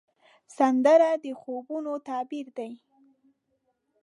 سندره د خوبونو تعبیر دی